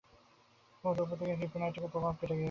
কুকুরটার ওপর থেকে ক্রিপ্টোনাইটের প্রভাব কেটে গেছে।